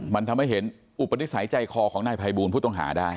มันทำให้เห็นอุปสรรค์ใจขอของพายบูลผู้ตำหาได้